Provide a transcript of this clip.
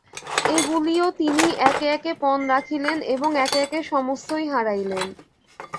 এইগুলিও তিনি একে একে পণ রাখিলেন এবং একে একে সমস্তই হারাইলেন।